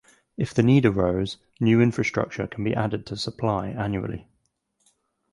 If the need arose new infrastructure can be added to supply annually.